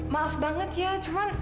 maaf banget ya